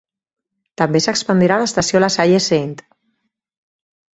També s'expandirà l'estació LaSalle Saint.